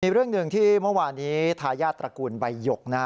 เรื่องหนึ่งที่เมื่อวานนี้ทายาทตระกูลใบหยกนะฮะ